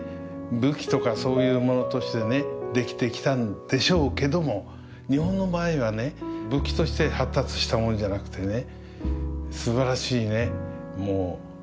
武器とかそういうものとしてね出来てきたんでしょうけども日本の場合はね武器として発達したものじゃなくてね